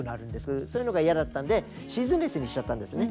そういうのが嫌だったんでシーズンレスにしちゃったんですね。